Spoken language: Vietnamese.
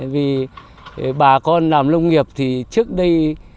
vì bà con làm nông nghiệp thì trước đây